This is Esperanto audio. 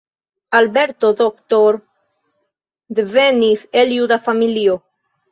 Albert Doctor devenis el juda familio.